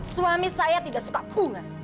suami saya tidak suka bunga